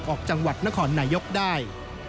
ออกจังหวัดนครนายกได้